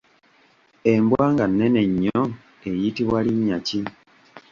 Embwa nga nnene nnyo eyitibwa linnya ki?